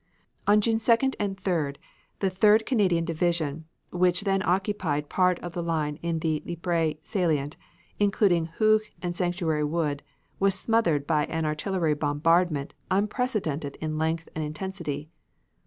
On June 2d and 3d, the Third Canadian Division, which then occupied part of the line in the Ypres salient, including Hooge and Sanctuary Wood, was smothered by an artillery bombardment unprecedented in length and intensity.